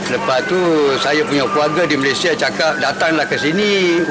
lepas itu saya punya keluarga di malaysia cakap datanglah kesini